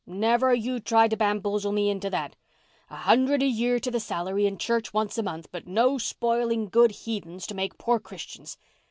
Never you try to bamboozle me into that! A hundred a year to the salary and church once a month—but no spoiling good heathens to make poor Christians!